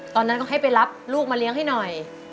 ตอนนั้นก็ให้ไปรับลูกมาเลี้ยงให้หน่อย